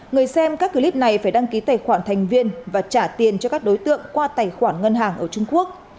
người xem các clip này phải đăng ký tài khoản thành viên và trả tiền cho các đối tượng qua tài khoản ngân hàng ở trung quốc